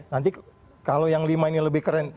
nanti kalau yang lima ini lebih keren